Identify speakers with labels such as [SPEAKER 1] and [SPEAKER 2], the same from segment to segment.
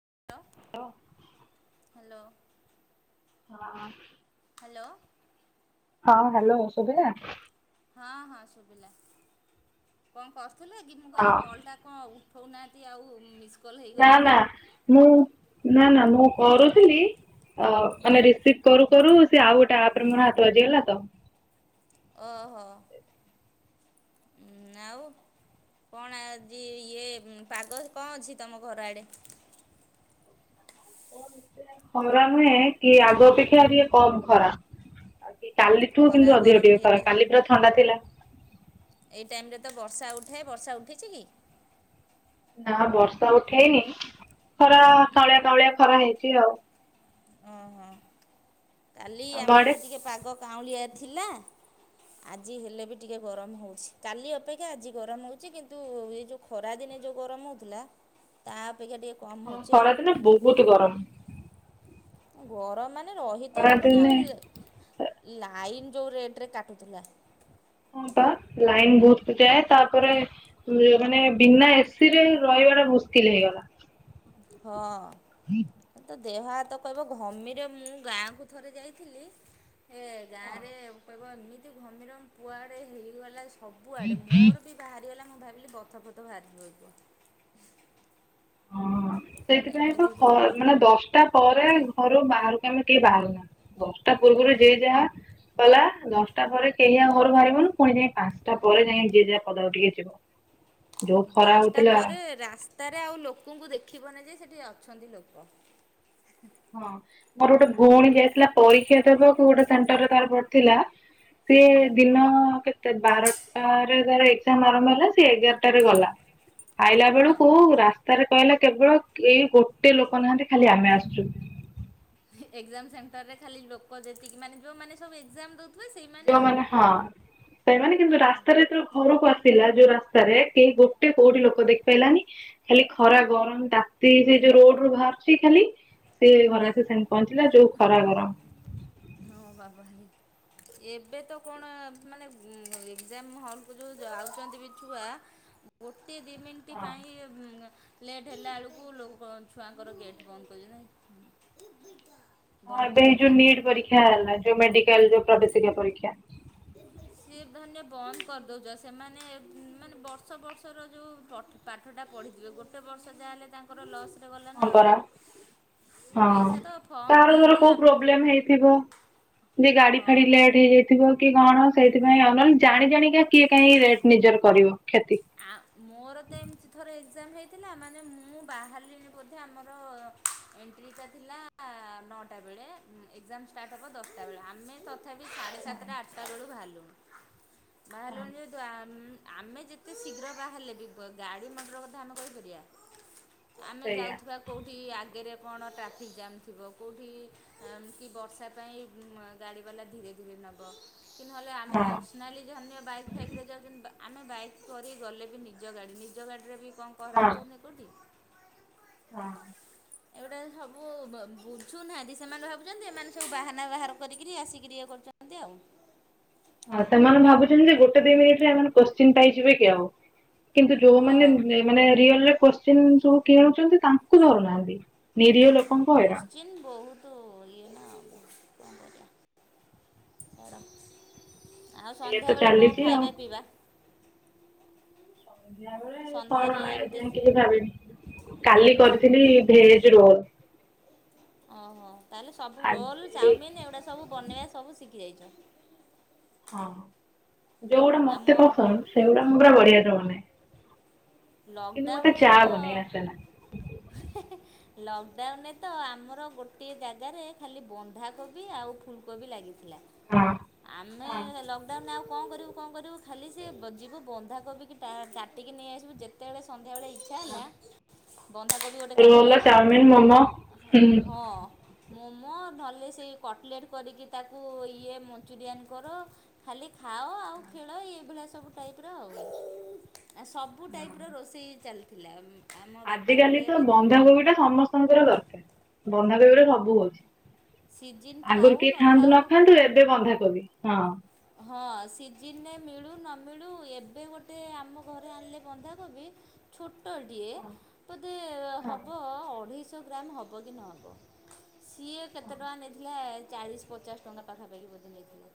[SPEAKER 1] [unintelligible] Hello.
[SPEAKER 2] ହଁ
[SPEAKER 1] hello.
[SPEAKER 2] ହଁ hello ସୁଭିଲା
[SPEAKER 1] ହଁ ହଁ ଶୁଭିଲା କଣ କରୁଥିଲ କି ମୁ
[SPEAKER 2] ହଁ
[SPEAKER 1] କହିଲି କଲ ଟା କଣ ଉ ଉଠଉନାହାନ୍ତି ଆଉ ମିସ୍ କଲ୍
[SPEAKER 2] ନା
[SPEAKER 1] ହେଇଗଲା
[SPEAKER 2] ନା
[SPEAKER 1] କି ଆଉ।
[SPEAKER 2] ମୁଁ ନା ନା ମୁଁ କରୁଥିଲି ଅ ମାନେ ରିସିଭ୍ କରୁ କରୁ ସେ ଆଉ ଗୋଟେ ଆପରେ ମର ହାତ ବାଜିଗଲା ତ
[SPEAKER 1] ଓହୋ ଉ ଆଉ କଣ ଆଜି ଇଏ ପାଗ କଣ ଅଛି ତମ ଘର ଆଡେ
[SPEAKER 2] [inaudible] ଖରା ନୁହେଁ କି ଆଗ ଅପେକ୍ଷା ଟିକେ କମ୍ ଖରା। କାଲିଠୁ
[SPEAKER 1] ଖରା
[SPEAKER 2] କିନ୍ତୁ ଅଧିକ
[SPEAKER 1] ଗରମ
[SPEAKER 2] ଟିକେ ଖରା। କାଲି ପୁରା ଥଣ୍ଡା ଥିଲା।
[SPEAKER 1] ଏଇ ଟାଇମ ରେ ତ ବର୍ଷା ଉଠାଏ ବର୍ଷା ଉଠେଇଛି କି?
[SPEAKER 2] ନା ବର୍ଷା ଉଠେଇନି, ଖରା [unintelligible] ଖରା ହେଇଛି ଆଉ।
[SPEAKER 1] ଓହୋ କାଲି ଆମ ଆଡେ ଟିକେ ପାଗ କାଉଁଳିଆ ଥିଲା ଆଜି ହେଲେ ବି ଟିକେ ଗରମ ହଉଛି, କାଲି ଅପେକ୍ଷା ଆଜି ଗରମ ହଉଛି କିନ୍ତୁ ଏ ଯୋଉ ଖରା ଦି [unintelligible] ଯଉ ଗରମ ହଉଥିଲା ତା ଅପେକ୍ଷା ଟିକେ କମ୍
[SPEAKER 2] ହଁ
[SPEAKER 1] ହେଉଛି ଆଉ
[SPEAKER 2] ଖରାଦିନେ ବହୁତ ଗରମ।
[SPEAKER 1] ଗରମ ମାନେ ରହିତ
[SPEAKER 2] ଖରା
[SPEAKER 1] ହବନି
[SPEAKER 2] ଦିନେ
[SPEAKER 1] ଆଉ ଲାଇନ ଯୋଉ ରେଟରେ କାଟୁଥିଲା
[SPEAKER 2] ହଁ ପା ଲାଇନ୍ ବହୁତ ଯାଏ, ତାପରେ ମାନେ ବିନା ଏସି ରେ ରହ [unintelligible] ମୁସ୍କିଲ ହେଇଗଲା।
[SPEAKER 1] ହଁ ତ ଦେହ ହାତ କହିବ ଘମିର ମୁଁ ଗାଁକୁ ଥରେ ଯାଇଥିଲି ଏ ଗାଁରେ [unintelligible] ଏମିତି ଘମୀରମ କୁଆଡ଼େ ହେଇଗଲା ସବୁଆଡେ ମୋର ବି ବାହାରିଗଲା ମୁଁ ଭାବିଲି ବଥ ଫଥ ବାହାରିଛି ବୋଧେ।
[SPEAKER 2] ହଁ ସେଇଥିପାଇଁ ତ ମାନେ ଦଶଟା ପରେ ଘରୁ ବାହାର ଆମେ କେହି ବାହାରୁନା ଦଶଟା ପୂର୍ବରୁ ଯିଏ ଯାହା ଗଲା ଦଶଟା ପରେ କେହି ଆଉ ଘରୁ ବାହାରିବୁନି, ପୁଣି ଯାଇ ପାଞ୍ଚଟା ପରେ ଯାଇ ଯିଏ ଯା ପଦାକୁ ଟିକେ ଯିବ। ଯୋଉ ଖରା
[SPEAKER 1] ଦଶଟା
[SPEAKER 2] ହଉଥିଲା
[SPEAKER 1] ପରେ ରାସ୍ତାରେ ଆଉ ଲୋକ ଙ୍କୁୁ ଦେଖିବନି ଯେ ସେଠି ଅଛନ୍ତି ଲୋକ
[SPEAKER 2] ହଁ ମୋର ଗୋଟେ ଭଉଣୀ ଯାଇଥିଲା ପରୀକ୍ଷା ଦେବାକୁ ଗୋଟେ ସେଣ୍ଟରରେ ତାର ପଡିଥିଲା ସିଏ
[SPEAKER 1] ହୁଁ।
[SPEAKER 2] ଦିନ କେ ତେ ବାରଟାରେ ଧର ଏକ୍ସାମ୍ ଆରମ୍ଭ ହେଲା ସେ ଏଗାରଟାରେ ଗଲା। ଆଇଲା
[SPEAKER 1] ହଁ
[SPEAKER 2] ବେଳୁକୁ ରାସ୍ତାରେ କହିଲେ କେବଳ କେହି ଗୋଟେ ଲୋକ ନାହାନ୍ତି ଖାଲି ଆମେ ଆସୁଛୁ।
[SPEAKER 1] ଏକ୍ଜାମ ସେଣ୍ଟରରେ ଖାଲି ଲୋକ ଯେତିକି ମାନେ ଯୋଉ ମାନେ ସବୁ ଏକ୍ଜାମ୍ ଦୋ
[SPEAKER 2] ଯୋଉମାନେ ହଁ ସେମାନେ କିନ୍ତୁ
[SPEAKER 1] ଆଉ ନ
[SPEAKER 2] ରାସ୍ତାରେ ଯେତେବେଳେ ଘରକୁ ଆସିଲା ଯୋଉ ରାସ୍ତାରେ କେହି ଗୋଟେ
[SPEAKER 1] ଓ
[SPEAKER 2] କୋଉଠି ଲୋକ ଦେଖି ପାଇଲାନି ଖାଲି ଖରା ଗରମ ତାତି ସେଇ ଯୋଉ ରୋଡ ରୁ ବାହାରୁଛି ଖାଲି ସେ ଘରେ ଆସି [unintelligible] ପହଞ୍ଚିଲା ଯୋଉ ଖରା ଘରମ।
[SPEAKER 1] ଓ ବାବା ରେ ଏବେ ତ କଣ ମାନେ ଏକ୍ଜାମ ହଲକୁ ଯୋଉ ଯାଉଛନ୍ତି ବି ଛୁଆ ଗୋଟେ ଦି ମିନିଟ
[SPEAKER 2] ହଁ।
[SPEAKER 1] ପାଇଁ ଲେଟ୍ ହେଲା ବେଳକୁ ଲୋକ ଛୁଆଙ୍କର ଗେଟ୍ ବନ୍ଦ କରି
[SPEAKER 2] ହଁ ଏବେ ଯୋଉ ନୀଟ ପରୀକ୍ଷା ହେଲା ଯୋଉ ମେଡିକାଲ ଯୋଉ [unintelligible] ପରୀକ୍ଷା।
[SPEAKER 1] ସିଏ ଧରିନିଅ ବନ୍ଦ କରିଦେଉଛ ସେମାନେ ମାନେ ବର୍ଷ ବର୍ଷର ଯେଉ ପ୍ ପାଠ ଟା ପଢ଼ିଥିଲେ ଗୋଟେ ବର୍ଷ ଯାହା ହେଲେ ତାଙ୍କର ଲସରେ ଗଲା
[SPEAKER 2] ହଁ
[SPEAKER 1] ନା ଆଉ।
[SPEAKER 2] ପରା ହଁ
[SPEAKER 1] ପଇସା ତ ଫର୍ମ
[SPEAKER 2] ତାର
[SPEAKER 1] ପାଇଁ
[SPEAKER 2] ଧର
[SPEAKER 1] ଯାହା
[SPEAKER 2] କୋଉ ପ୍ରୋବ୍ଲେମ ହେଇଥିବ ଯେ ଗାଡି
[SPEAKER 1] ହଁ
[SPEAKER 2] ଫାଡି ଲେଟ୍ ହେଇଯାଇଥିବ କି କଣ ସେଇଥିପାଇଁ ଅନଲ ଜାଣି ଜାଣିକ କିଏ କହିଁ ରେଟ ନିଜର କରିବ। କ୍ଷତି।
[SPEAKER 1] ଆଉ ମୋର ତ ଏମିତି ଥରେ। ଏକ୍ଜାମ ହେଇଥିଲା ମାନେ ମୁଁ ବାହାରିଲଣି ବୋଧେ ଆମର ଏଣ୍ଟ୍ରିଟା ଥିଲା। ନଅଟା ବେଳେ ଏକ୍ଜାମ ଷ୍ଟାର୍ଟ ହେବ ଦଶଟା ବେଳେ ଆମେ ତଥାପି ସାଢ଼େ ସାତଟା ଆଠଟା ବେଳୁ ବାହାରିଲୁ। ବାହାରଲଣି ଯେହେତୁ ଆମେ ଯେ ଏତେ ଶୀଘ୍ର ବାାହାହାର ହେଲେ ବି ଗାଡ଼ି ମଟର କଥା ଆମେ କହିପାରିବା। ଆମେ
[SPEAKER 2] ସେଇଆ
[SPEAKER 1] ଯାଉଥିବା କଉଠି ଆଗରେ। କଣ ଟ୍ରାଫିକ୍ ଜାମ୍ ଥିବ କେଉଁଠି କି ବର୍ଷା ପାଇଁ ଗାଡ଼ି ବାଲା ଧୀରେ ଧୀରେ। ନେବ କି ନହେଲେ ଆମେ
[SPEAKER 2] ହଁ।
[SPEAKER 1] ପର୍ସନାଲି ଯ ବାଇକ୍ ଫାଇକ୍ରେ ଯାଉଛନ୍ତି ଆମେ ବାଇକ୍। କରି ଗଲେ ବି ନିଜ ଗାଡ଼ି ନିଜ ଗାଡ଼ିରେ ବି କଣ
[SPEAKER 2] ହଁ
[SPEAKER 1] ଖରାପ ହେଉନି କେଉଁଠି।
[SPEAKER 2] ହଁ।
[SPEAKER 1] ଏଉଡା। ସବୁ ବୁଝୁନାହାନ୍ତି ସେମାନେ ଭାବୁଛନ୍ତି ଏମାନେ ସବୁ ବାହାନା ବାହାର କରିକିରି ଆସିକରି ଇଏ କରୁଛନ୍ତି ଆଉ। [inaudible]
[SPEAKER 2] ହଁ ସେମାନେ ଭାବୁଛନ୍ତି ଯେ ଗୋଟେ ଦି ମିନିଟରେମାନେ କୋଶ୍ଚିନ୍ ପାଇଯିବେ କି ଆଉ। କିନ୍ତୁ ଯୋଉମାନେ
[SPEAKER 1] ହଁ
[SPEAKER 2] ମାନେ ରିଅଲରେ କୋଶ୍ଚିନ୍ ସବୁ କିଣୁଛନ୍ତି। ତାଙ୍କୁ ଧରୁନାହାନ୍ତି। ନିରୀହ ଲୋକଙ୍କୁ ହଇରାଣ
[SPEAKER 1] କଶ୍ଚିନ ବହୁତ ଇଏ ନା। ଆ। ଆଉ
[SPEAKER 2] ଏଇଆ ତ
[SPEAKER 1] ସନ୍ଧ୍ୟାବେଳେ କଣ
[SPEAKER 2] ଚାଲିଛି ଆଉ।
[SPEAKER 1] ଖାଇବା ପିଇବା।
[SPEAKER 2] ଯିା ବଳେ କଣ
[SPEAKER 1] ସନ୍ଧ୍ୟାରେ
[SPEAKER 2] ଏ
[SPEAKER 1] ଏମିତି
[SPEAKER 2] ଯାଇ କିଛି ଭାବିନି। କାଲି କରିଥିଲି ଭେଜ ରୋଲ।
[SPEAKER 1] ଓହୋ ତାହେଲେ ସବୁ ରୋଲ
[SPEAKER 2] ଆଜି
[SPEAKER 1] ଚାଉମିିନ ଏଗୁଡ଼ା ସବୁ ବନେଇବା ସବୁ ଶିଖି ଯାଇଛ।
[SPEAKER 2] ହଁ ଯୋଉଗୁଡା
[SPEAKER 1] ଆଉ
[SPEAKER 2] ମତେ
[SPEAKER 1] ମୋ
[SPEAKER 2] ପସନ୍ଦ ସେଗୁଡା ମୁଁ ପୁରା ବଢିଆରେ ବନାଏ। କିନ୍ତୁ ମତେ
[SPEAKER 1] ଲକଡାଉନ ରେ
[SPEAKER 2] ଚା
[SPEAKER 1] ତ।
[SPEAKER 2] ବନେଇ ଆସେନା।
[SPEAKER 1] ଲକଡାଉନରେ ତ ଆମର ଗୋଟିଏ ଜାଗାରେ ଖାଲି ବନ୍ଧାକୋବି ଆଉ ଫୁଲକୋବି ଲାଗିଛି। ଥିଲା
[SPEAKER 2] ହଁ
[SPEAKER 1] ଆମେ ଲକଡାଉନ ଆଉ। କଣ କରିବୁ କଣ କରିବୁ ଖାଲି ସେ ଯିବୁ ବନ୍ଧାକବିକି କାଟିକୀ ନେଇଆସିବୁ ଯେତେବେଳେ ସନ୍ ଏଡା ଇଛାଲା।
[SPEAKER 2] ରଲ ଚଉମିନ୍ ମୋମୋ ହ।
[SPEAKER 1] ହଁ ମୋମୋ ନହେଲେ ସେ କଟଲେଟ୍ କରିକି ତାକୁ ଇଏ ମଞ୍ଚୁରିଆଁନ କର ଖାଲି। ଖାଅ ଆଉ ଖେଳ ଏଭଳିଆ ସବୁ ଟାଇପ୍ର। ସବୁ ଟାଇପ୍ର ରୋଷେଇ ଚାଲିଥିଲା। ଆମ
[SPEAKER 2] ଆଜ
[SPEAKER 1] ବାପା
[SPEAKER 2] କାଲି
[SPEAKER 1] ଘରିଆ
[SPEAKER 2] ତ
[SPEAKER 1] ବି
[SPEAKER 2] ବନ୍ଧାକୋବି ଟା ସମସ୍ତଙ୍କର ଦରକାର ବନ୍ଧାକୋବି ଟା ସବୁ ହଉଛି।
[SPEAKER 1] ସିଜିନ୍ ଥାଉ
[SPEAKER 2] ଆଗରୁ କେହି ଖାଆନ୍ତୁ
[SPEAKER 1] ନଥାଉ
[SPEAKER 2] ନ ଖାଆନ୍ତୁ ଏବେ ବନ୍ଧାକବି ହଁ।
[SPEAKER 1] ହଁ ସିଜିନରେ ମିଳୁ ନ ମିଳୁ ଏବେ ଗୋଟେ ଆମ ଘରେ ଆଣିଲେ ବନ୍ଧାକୋବି। ଛୁଟ। ଅଟଟିଏ ବୋଧେ ହେବ ଅଢ଼େଇଶହ ଗ୍ରାମ ହେବ କି ନହେବ। ସିଏ କେତେ ଟଙ୍କା ନେଇଥିଲା ଚାଳିଶ ପଚାଶ ଟଙ୍କା ପାଖାପାଖି ବୋଧେ ନେଇଥିଲେ।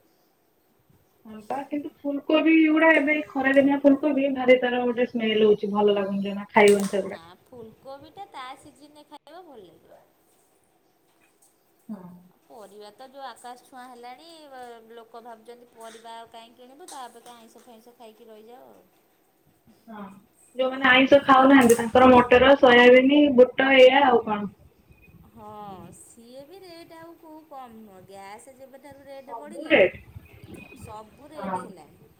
[SPEAKER 2] ହଁ ବା କିନ୍ତୁ ଫୁଲକୋବି ଗୁଡା ଏବେ ଖରାଦିନିଆ ଫୁଲକୋବି ଭାରି। ର ଗୋଟ ସ୍ମେଲ୍ ହଉଛି ଭଲ ଲାଗଛି।
[SPEAKER 1] ନା ଫୁଲକୋବି ଟା ତା ସିଜିନ। ହବା ଭଲ ଲାଗିବ।
[SPEAKER 2] ହଁ।
[SPEAKER 1] ପରିବା ତ ଯୋଉ ଆକାଶ ଛୁଆଁ ହେଲାଣି ଲୋକ ଭାବୁଛନ୍ତି ପରିବାଉ କାହିଁ କିଣିବୁ ତାପରେ। ଆଇଁଷ ଫଇଁଷ ଖାଇକି ରହିଯାାଉ ଆଉ।
[SPEAKER 2] ହଁ ଯୋଉମାନେ ଆଇଁଷ ଖାଉନାହାନ୍ତି ତାଙ୍କର ମଟର ସୋୟାବିନ ବୁଟ ଏଇଆ ଆଉ କଣ।
[SPEAKER 1] ହଁ ସିଏ ବି ରେଟ୍ ଆଉଉବ କମ୍ ନୁହଁ ଗ୍ୟାସ୍ ଯେ-। ରେଟ
[SPEAKER 2] ସବୁ
[SPEAKER 1] ପଢିଲାଣି
[SPEAKER 2] ରେଟ୍
[SPEAKER 1] ସବୁ
[SPEAKER 2] ହଁ
[SPEAKER 1] ରେଟ ହେଲାଣି।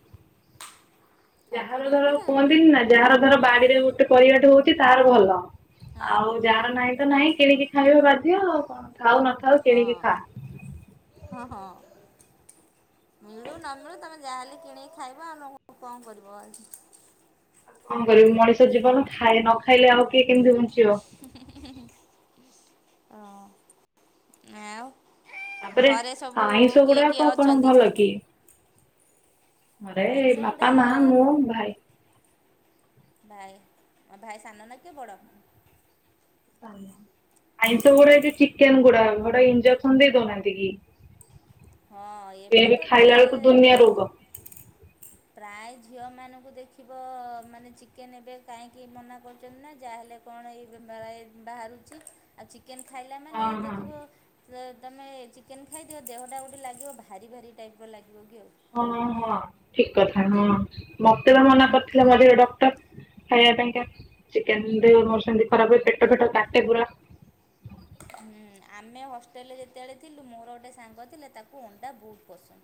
[SPEAKER 1] ସବୁ
[SPEAKER 2] ଯାହାର
[SPEAKER 1] ରେଟ୍
[SPEAKER 2] ଧର କୁହନ୍ତିନି ନା ଯାହାର ଧର ବାଡିରେ ଗୋଟେ ପରିବାଟେ ହଉଛି ତହାର ଭଲ।
[SPEAKER 1] ହଁ।
[SPEAKER 2] ଆଉ ଯାହାର ନାହିଁ ତ ନାହିଁ କିଣିକି ଖାଇବା ବାଧ୍ୟ ଆଉ କଣ। ଖଥାାଉ ନଥାଉ କିଣିକି
[SPEAKER 1] ହଁ
[SPEAKER 2] ଖା।
[SPEAKER 1] [inaudible] ମିଳୁ ନ ମିଳୁ ତମେ ଯାହାହେଲେ କିଣିକି ଖାଇ ଆମେ କଣ କରିବୁ ଆଉ।
[SPEAKER 2] କଣ କରିବି ମଣିଷ ଜୀବନ ଖାଏ ନ ଖାଇଲେ ଆଉ କେ
[SPEAKER 1] ହଁ ଆଉ।
[SPEAKER 2] ତାପରେ
[SPEAKER 1] ଘରେ ସବୁ
[SPEAKER 2] ଆଇଁଷ
[SPEAKER 1] କିଏ କିଏ
[SPEAKER 2] ଗୁଡାକ କଣ
[SPEAKER 1] ଅଛନ୍ତି?
[SPEAKER 2] ଭଲ କି? ଘରେ
[SPEAKER 1] ଆଇଁଷ ଗୁଡ଼ା
[SPEAKER 2] ବାପା, ମା ମୁଁ ଭାଇ
[SPEAKER 1] ଭାଇ ଭାଇ ସାନ ନା କିଏ ବଡ?
[SPEAKER 2] ସାନ। ଆଇଁଷ ଗୁଡା ଏ ଯୋଉ ଚିକେନ ଗୁଡା ସେଗୁଡା ଇଞ୍ଜେକ୍ସନ ଦେଇ ଦଉନାହାନ୍ତି କି।
[SPEAKER 1] ହଁ
[SPEAKER 2] ସେ
[SPEAKER 1] ଏବେ
[SPEAKER 2] ବି
[SPEAKER 1] ତ
[SPEAKER 2] ଖାଇଲା ବେଳକୁ
[SPEAKER 1] ପ୍ରାୟେ
[SPEAKER 2] ଦୁନିଆ ରୋଗ
[SPEAKER 1] ପ୍ରାୟେ ଝିଅମାନଙ୍କୁ ଦେଖିବ ମାନେ ଚିକେନ ଏବେ କାହିଁକି ମନା କରୁଛନ୍ତି ନା ଯାହାହେଲେ କଣ ଏଇ [unintelligible] ବାହାରୁଛି ଆଉ ଚି ଚିକେନ୍ ଖାଇଲା
[SPEAKER 2] ହଁ
[SPEAKER 1] ମାନେ ଦେଖିବ ତମେ ଚିକେନ୍ ଖାଇଦିଅ ଦେହଟା ଗୋଟେ ଲାଗିବ ଭାରି ଭାରି ଟାଇପ ର ଲାଗିବ କି ଆଉ।
[SPEAKER 2] ହଁ ହଁ ଠିକ କଥା ହଁ ମତେ ବା ମନା କରିଥିଲେ ମଝିରେ ଡକ୍ଟର। ଖାଇବା ପାଇଁକା। ଚିକେନ ଦେ ମୋର ସେମତି ଖରାପ ହୁଏ ପେଟ ଫେଟ କାଟେ ପୁରା।
[SPEAKER 1] ହୁଁ ଆମେ ହଷ୍ଟେଲରେ ଯେତେବେଳେ ଥିଲୁ ମୋର ଗୋଟେ ସାଙ୍ଗ ଥିଲେ ତାକୁ ଅଣ୍ଡା ବହୁତ ପସନ୍ଦ।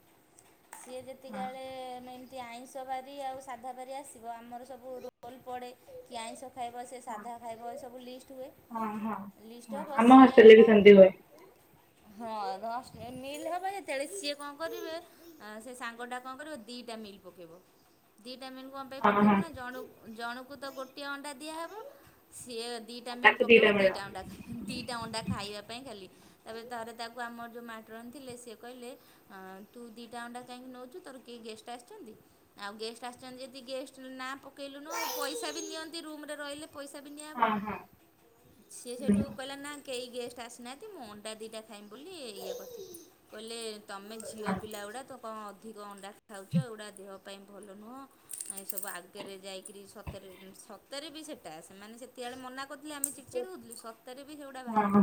[SPEAKER 1] ସିଏ
[SPEAKER 2] ହଁ
[SPEAKER 1] ଯେତିକିବେଳେ ଆଇଁଷ ବାରି ଆଉ ସାଧା ବାରି ଆସିବ ଆମର ସବୁ ରୋଲ ପଡ଼େ କି ଆଇଁଷ ଖାଇବା ସେ ସାଧା ଖାଇବ ଏ ସବୁ ଲିଷ୍ଟ ହୁଏ।
[SPEAKER 2] ହଁ ହଁ
[SPEAKER 1] ଲିଷ୍ଟ
[SPEAKER 2] ହଁ
[SPEAKER 1] ଟା
[SPEAKER 2] ଆମ ହଷ୍ଟେଲରେ ବି ସେମତି ହୁଏ।
[SPEAKER 1] [unintelligible] ମିଲ୍ ହେବ ଯେତେବେଳେ ସିଏ କଣ କରିବେ ସେ ସାଙ୍ଗଟା କଣ କରିବ ଦିଇଟା ମିଲ୍ ପକେଇବ। ଦିଇଟା ମିଲ୍ କଣ ପାଇଁ
[SPEAKER 2] ହଁ
[SPEAKER 1] ପକେଇବ
[SPEAKER 2] ହଁ
[SPEAKER 1] ନା ଜଣ ଜଣକୁ ତ ଗୋଟିଏ ଅଣ୍ଡା ଦିଆହବ ସିଏ ଦିଇଟା ମିଲ୍
[SPEAKER 2] ତାକୁ
[SPEAKER 1] ପକେଇବ
[SPEAKER 2] ଦିଟା ମିଳିବ
[SPEAKER 1] ଦିଇଟା ଅଣ୍ଡା ଖା ଦିଇଟା ଅଣ୍ଡା ଖାଇବା ପାଇଁ ଖାଲି। ତାପରେ ତାପରେ ତାକୁ ଆମର ଯୋଉ ମ୍ୟାଡମ ଥିଲେ ସେଏ କହିଲେ ଆଁ ତୁ ଦିଇଟା ଅଣ୍ଡା କାହିଁକି ନେଉଚୁ ତୋର କେହି ଗେଷ୍ଟ ଆସିଛନ୍ତି। ଆଉ ଗେଷ୍ଟ ଆସିଛନ୍ତି ଯଦି ଗେଷ୍ଟ ନାଁ ପକା ପକେଇଲୁନୁ ପଇସା ବି ନିଅନ୍ତି ରୁମ୍ ରେ ରହିଲେ ପଇସା ବି ନିଆହବ।
[SPEAKER 2] ହଁ ହଁ
[SPEAKER 1] ସି ସେଇଠୁ
[SPEAKER 2] ହୁଁ
[SPEAKER 1] କହିଲା ନା କେହି ଗେଷ୍ଟ ଆସିନାହାନ୍ତି ମୁଁ ଅଣ୍ଡା ଦୁଇଟା ଖାଇବି ବୋଲି ଇଏ କରିଥିଲି। କହିଲେ ତମେ ଝିଅ ପିଲା
[SPEAKER 2] ହଁ
[SPEAKER 1] ଗୁଡ଼ାକ ତ କଣ ଅଧିକ ଅଣ୍ଡା ଖାଉଛ ଏଗୁଡ଼ା ଦେହ ଭଲ ନୁହଁ ଏସବୁ ଆଗରେ ଯାଇକି ସତରେ ସତରେ ବି ସେଟା ସେମାନେ ସେତେବେଳେ ମନା କହୁଥିଲେ ଆମେ ଚିଡଚିଡ ହଉଥିଲୁ। ସତରେ ବି ସେଉଡା ବାହାରେ।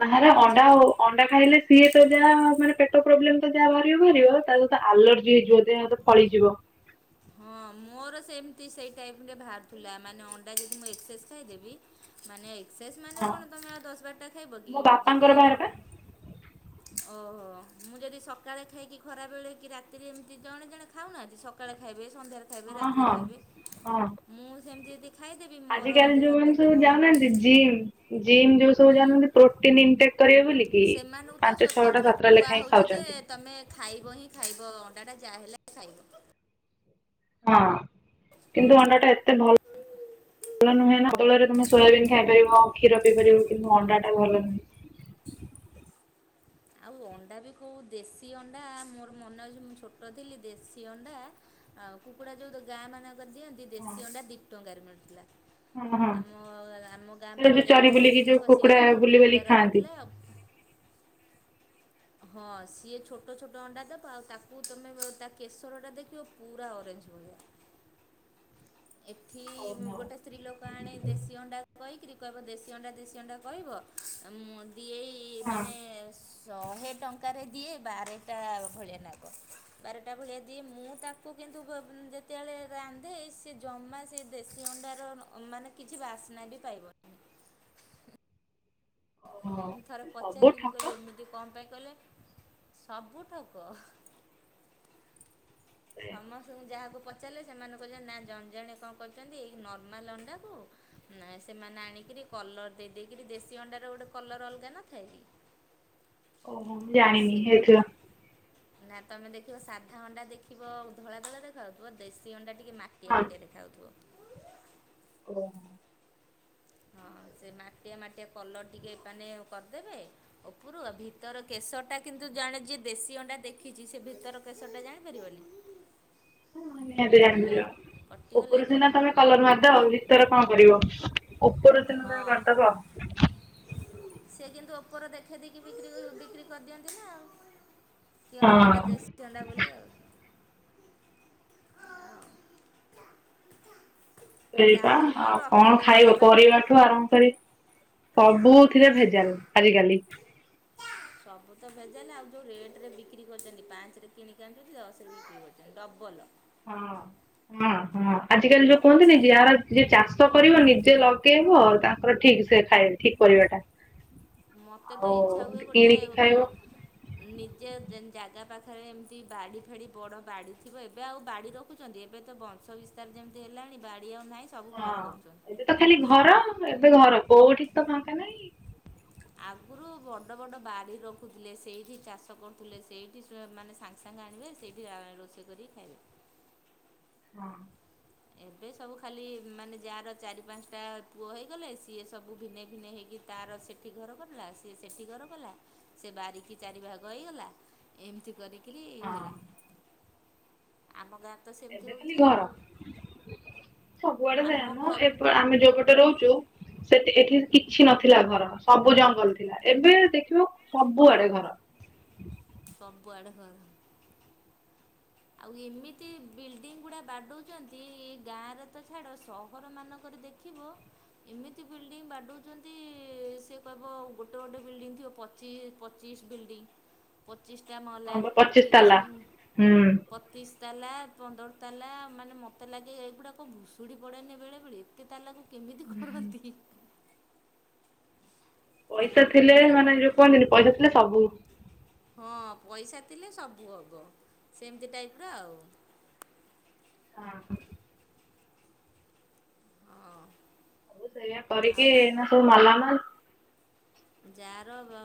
[SPEAKER 2] ବାହାର
[SPEAKER 1] ଆ ଚି
[SPEAKER 2] ଅଣ୍ଡା ଆଉ ଅଣ୍ଡା ଖାଇଲେ ସିଏ ତ ଯାହା ମାନେ ପେ ପ୍ରୋବ୍ଲେମ ତ ଯାହା ବାହାରିବ ବାହାରିବ ତା ସହିତ ଆଲର୍ଜି ହେଇଯିବ ଦେହ ହାତ ଫଳିଯିବ।
[SPEAKER 1] ହଁ ମୁଁ ମୋର ସେମିତି ସେଇ ଟାଇମରେ ବାହାରୁଥିଲା। ମାନେ ଅଣ୍ଡା ଯଦି ମୁଁ ଏକ୍ସେସ୍ ଖାଇଦେବି ମାନେ ଶେଷ ମାନେ
[SPEAKER 2] ହଁ
[SPEAKER 1] କଣ ତମେ ଆଉ ଦଶ ବାରଟା ଖାଇବ କି
[SPEAKER 2] ମୋ
[SPEAKER 1] ଯଦି
[SPEAKER 2] ବାପାଙ୍କର ବାହାରେ ପା
[SPEAKER 1] ଓହୋ ମୁଁ ଯଦି ସକାଳେ ଖାଇକି ଖରାବେଳେ କି ରାତିରେ ଏମିତି ଜଣେ ଜଣେ ଖାଉନାହାନ୍ତି ସକାଳେ ଖାଇବେ ସନ୍ଧ୍ୟାରେ ଖାଇବେ
[SPEAKER 2] ହଁ ହଁ
[SPEAKER 1] ରାତିରେ ଖାଇବେ ମୁଁ ସେମିତି ଯଦି ଖାଇଦେବି ମୋର
[SPEAKER 2] ଆଜି କାଲି
[SPEAKER 1] ଦେହ
[SPEAKER 2] ଯୋଉମାନେ ସବୁ
[SPEAKER 1] ହାତକୁ
[SPEAKER 2] ଯାଉନାହାନ୍ତି ଜିମ୍ ଜିମ୍ ଯୋଉ ସବୁ
[SPEAKER 1] ହୁଁ
[SPEAKER 2] ଯାଉନାହାନ୍ତି ପ୍ରୋଟିନ ଇନଟେକ୍ କରିବେ ବୋଲିକି
[SPEAKER 1] ସେମାନଙ୍କୁ ତ
[SPEAKER 2] ପାଞ୍ଚ ଛଅଟା
[SPEAKER 1] ସ୍ୱତନ୍ତ୍ର
[SPEAKER 2] ସାତଟା
[SPEAKER 1] କୁହା
[SPEAKER 2] ଲେଖାଏ ହିଁ
[SPEAKER 1] ହେଉଛି ଯେ
[SPEAKER 2] ଖାଉଛନ୍ତି।
[SPEAKER 1] ତମେ ଖାଇବ ହିଁ ଖାଇବ ଅଣ୍ଡା ଟା ଯାହାହେଲେ ଖାଇବ।
[SPEAKER 2] ହଁ। କିନ୍ତୁ ଅଣ୍ଡା ଟା ଏତେ ଭଲ ଭଲ ନୁହେଁ ତା ବଦଳରେ ତମେ ସୋୟାବିନ୍ ଖାଇପାରିବ। କ୍ଷୀର ପିଇ ପାରିବ କିନ୍ତୁ ଅଣ୍ଡାଟା ଭଲ ନୁହେଁ।
[SPEAKER 1] ଆଉ ଅଣ୍ଡା ବି କଉ ଦେଶୀ ଅଣ୍ଡା ମୋର ମନେ ଅଛି ମୁଁ ଛୋଟ ଥିଲି ଦେଶୀ ଅଣ୍ଡା ଆଉ କୁକୁଡା ଯୋଉ ଗାଁ ମାନଙ୍କର ଦିଅନ୍ତି ଦେଶୀ ଅଣ୍ଡା ଦି ଟଙ୍କାରେ ମିଳୁଥିଲା।
[SPEAKER 2] ହଁ ହଁ ହଁ
[SPEAKER 1] ଆମ ଆମ ଗାଁ
[SPEAKER 2] ସେ ଯୋଉ
[SPEAKER 1] ପାଖରେ
[SPEAKER 2] ଚରି
[SPEAKER 1] ଗୋଟେ ସ୍ତ୍ରୀ
[SPEAKER 2] ବୁଲିକି ଯୋଉ
[SPEAKER 1] ଲୋକ ସିଏ
[SPEAKER 2] କୁକୁଡା
[SPEAKER 1] ଅ
[SPEAKER 2] ବୁଲି ବାଲି
[SPEAKER 1] କୁକୁଡ଼ା
[SPEAKER 2] ଖାଆନ୍ତି
[SPEAKER 1] ରଖିଥିଲା। [inaudible] ହଁ ସିଏ ଛୋଟ ଛୋଟ ଅଣ୍ଡା ଦବ ଆଉ ତାକୁ ତମେ ବ ତା କେଶର ଟା ଦେଖିବ ପୁରା ଅରେ। [unintelligible] ଏଠି ମୁଁ
[SPEAKER 2] ଓହୋ
[SPEAKER 1] ଗୋଟେ ସ୍ତ୍ରୀ ଲୋକ ଆଣେ ଦେଶୀ ଅଣ୍ଡା କହିକରି କହିବ ଦେଶୀ ଅଣ୍ଡା ଦେଶୀ ଅଣ୍ଡା କହିବ ମୁଁ ଦିଏଇ
[SPEAKER 2] ହଁ
[SPEAKER 1] ମାନେ ଶହେ ଟଙ୍କାରେ ଦିଏ ବାରେଟା ଅ ଭଳିଆ ଖାଇବ ବାରଟା ଭଳିଆ ଦିଏ ମୁଁ ତାକୁ କିନ୍ତୁ ବ ଯେତେବେଳେ ରାନ୍ଧେ ସେ ଜମା ସେ ଦେଶୀ ଅଣ୍ଡାର ର ମାନେ କିଛି ବାସ୍ନା ବି ପାଇବଵୁନୁ। [inaudible]
[SPEAKER 2] ଓହୋ
[SPEAKER 1] ଥରେ
[SPEAKER 2] ସବୁ
[SPEAKER 1] ପଚାରିଲି ମୁଁ
[SPEAKER 2] ଠକ
[SPEAKER 1] କହିଲି ଏମିତି କଣ ପାଇଁ କହିଲେ ସବୁ ଠକ। ସମସ୍ତଙ୍କୁ ଯାହାକୁ ପଚାରିଲେ ସେମାନେ କହିଲେ ନା ଜଣ ଜଣେ କଣ କରୁଛନ୍ତି ନର୍ମାଲ୍ ଅଣ୍ଡାକୁ। ନାଇଁ ସେମାନେ ଆଣିକିରି କଲର ଦେଇ ଦେଇକିରି। ଦେଶୀ ଅଣ୍ଡାର ଗୋଟେ କଲର ଅଲଗା ନଥାଏ କି? [inaudible]
[SPEAKER 2] ଓହୋ ମୁଁ ଜାଣିିନି
[SPEAKER 1] ସେ
[SPEAKER 2] ହେଇଥିଲା।
[SPEAKER 1] ନା ତମେ ଦେଖିବ ସାଧା ଅଣ୍ଡା ଦେଖିବ ଧଳା ଧଳା ଦେଖାଉଥିବ ଦେଶୀ ଅଣ୍ଡା ଟି ଟିକେ ମାଟିଆ
[SPEAKER 2] ହଁ
[SPEAKER 1] ମାଟିଆ ଦେଖାହଉଥିବ।
[SPEAKER 2] ଓମ୍ [inaudible]
[SPEAKER 1] ହଁଅ ସେ ମାଟିଆ ମାଟିଆ କଲର ଟିକେ ମାନେ କରିଦେବେ ଓପରୁ ଆଉ ଭିତର କେଶର ଟା କିନ୍ତୁ ଜଣେ ଯିଏ ଦେଶୀ ଅଣ୍ଡା ଦେଖିଛି ସେ ଭିତର କେଶରଟା ଜାଣିପାରିବନି।
[SPEAKER 2] ହଁ ନିହାତି ଜାଣି
[SPEAKER 1] ହ୍ୟାଲୋ
[SPEAKER 2] ପାରିବ
[SPEAKER 1] କଟିଗଲା
[SPEAKER 2] ଉପରୁ
[SPEAKER 1] କି ଆଉ
[SPEAKER 2] ସିନା ତମେ କଲର ମାରିଦବ
[SPEAKER 1] ହ୍ୟାଲୋ
[SPEAKER 2] ଭିତରେ କଣ କରିବ। ଉପରୁ [unintelligible]
[SPEAKER 1] ହଁ
[SPEAKER 2] କରିଦବ।
[SPEAKER 1] ଓପର ଦେଖେଇଦିକି ବ୍ରିକ୍ରି ବିକ୍ରି କରିଦିଅନ୍ତି ନା ଆଉ। କି ହଁ ଏଇଟା ଦେଶୀ ଅଣ୍ଡା ବୋଲି ଆଉ। ଆଉ
[SPEAKER 2] ଏଇପା
[SPEAKER 1] ତାପରେ ମୁଁ
[SPEAKER 2] ଆଉ କଣ
[SPEAKER 1] ରଖିଲି ମୁଁ
[SPEAKER 2] ଖାଇବ
[SPEAKER 1] ଯେବେ
[SPEAKER 2] ପରିବା। ଠୁ ଆରମ୍ଭ କରି ସବୁଥିରେ ଭେଜାଲ ଆଜିିକାଲି।
[SPEAKER 1] ସବୁ ତ ଭେଜାଲେ ଆଉ ଯୋଉ ରେଟରେ ବିକ୍ରି କରିଛନ୍ତି ପାଞ୍ଚରେ କିଣିକି ଆଣୁଛନ୍ତି ଦଶରେ ବିକ୍ରି କରୁଛନ୍ତି ଡବଲ।
[SPEAKER 2] ହଁ ହଁ ହଁ ଆଜିକାଲି ଯୋଉ କୁହନ୍ତିନି ଯାହାର ଯିଏ ଚାଷ କରିବ ନିଜେ ଲଗେଇ। ରିବ ତାଙ୍କର ଠିକ ସେ ଖାଏ ଠିକ ପରିବା ଟା।
[SPEAKER 1] ମୋତେ ତ ଇଛା ହୁଏ ଗୋଟେ
[SPEAKER 2] ଖାଇବ।
[SPEAKER 1] ମ ନିଜେ। ଜାଗା ପାଖରେ ଏମିତି ବାଡ଼ି ଫାଡ଼ି ବଡ଼ ବାଡ଼ି ଥିବ ଏବେ ଆଉ ବାଡ଼ି ରଖୁଛନ୍ତି ଏବେ ତ ବଂଶ ବିସ୍ତାର ଜା- ଯେମିତି ହେଲାଣି ବା -
[SPEAKER 2] ହଁ ଏବେ ତ ଖାଲି ଘର ଏବେ ଘର କୋଉଠି ତ ଫାଙ୍କା ନାଇଁ।
[SPEAKER 1] ଆଗୁରୁ ବଡ ବଡ ବାଡ଼ି ରଖୁଥିଲେ ସେଇଠି ଚାଷ କରୁଥିଲେ ସେଇଠି ସ ମାନେ ସାଙ୍ଗେ ସାଙ୍ଗେ ଆଣି। ସେ ସେଇଠି ଆ ରୋଷେଇ କରିକି ଖାଇବେ।
[SPEAKER 2] ହଁ।
[SPEAKER 1] ଏବେ ସବୁ ଖାଲି ମାନେ ଯାର ଚାରି ପାଞ୍ଚଟା ପୁଅ ହେଇଗଲେ ସିଏ ସବୁ ଭିିନେ ଭିିନେ ହେଇ- ତାର ସେଠି ଘର କଲା ସେ ସେଠି ଘର କଲା ସେ ବାରିକି ଚାରି ଭାଗ ହେଇଗଲା। ଏମିତି କରିିକ କିରି
[SPEAKER 2] ହଁ
[SPEAKER 1] ହେଲା ଆମ ଗାଁ ତ ସେମିତି
[SPEAKER 2] ଏବେ ଖାଲି
[SPEAKER 1] ହଉଚି
[SPEAKER 2] ଘର।
[SPEAKER 1] ଆଉ।
[SPEAKER 2] ସବୁଆଡେ
[SPEAKER 1] ଆମ ଘ
[SPEAKER 2] ସେଇଆମ ଆମେ ଯୋଉ ପଟେ ରହୁଚୁ ସେ ଏଠି କିଛି ନଥିଲା ଘର ସବୁ ଜଙ୍ଗଲ ଥିଲା ଏବେ ଦେଖିବ ସବୁଆଡେ ଘର।
[SPEAKER 1] ସବୁଆଡେ ଘର। ଆଉ ଏମିତି ବିଲ୍ଡିଙ୍ଗ ଗୁଡା ବାଡଉଛନ୍ତି ଗାଁରେ ତ ଛାଡ ସହର ମାନଙ୍କରେ ଦେଖିବ। ଏମିତି ବିଲ୍ଡିଙ୍ଗ ବାଡଚନ୍ତି ସେ କହିବ ଗୋଟେ ଗୋଟେ ବିଲ୍ଡିଂ ଥିବ ପଚି ପଚିଶ ବିଲ୍ ଡିଙ୍ଗ ପଚିଶଟା ମହଲା
[SPEAKER 2] ହଁ ବା ପଚିଶ ତାଲା
[SPEAKER 1] ତିରିଶ ମି
[SPEAKER 2] ହୁଁ
[SPEAKER 1] ପତିଶ୍ ତାଲା ପନ୍ଦର ତାଲା ମାନେ ମୋତେ ଲାଗେ ଏଗୁଡ଼ାକ ଭୁଶୁଡ଼ି ପଡ଼େନି ବେଳେବେଳେ ଏତେ ତାଲାକୁ କେମିତି କରନ୍ତି। ପୁଣି
[SPEAKER 2] ପଇସା ଥିଲେ
[SPEAKER 1] ସେ
[SPEAKER 2] ମାନେ ଯୋଉ କୁହନ୍ତିନି ପଇସା ଥିଲେ ସବୁ।
[SPEAKER 1] ହଁ ପଇସା ଥିଲେ ସବୁ ହବ ସେମିତି ଟାଇପ୍ ର ଆଉ।
[SPEAKER 2] ହଁ।
[SPEAKER 1] ହଁ
[SPEAKER 2] ସବୁ ସେଇୟା
[SPEAKER 1] ଆଉ
[SPEAKER 2] କରିକି ଏ ଏଇନା ସବୁ ମାଲା ମାଲ୍।
[SPEAKER 1] ଯାର ବ